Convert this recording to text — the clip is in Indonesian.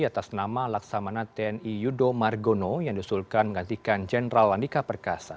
atas nama laksamana tni yudo margono yang diusulkan menggantikan jenderal andika perkasa